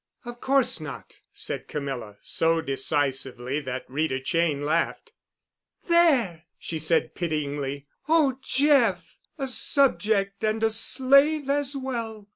"Of course not," said Camilla so decisively that Rita Cheyne laughed. "There!" she said pityingly. "Oh, Jeff! a subject and a slave as well!